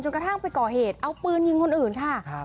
กระทั่งไปก่อเหตุเอาปืนยิงคนอื่นค่ะ